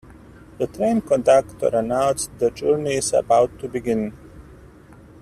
The train conductor announced the journey is about to begin.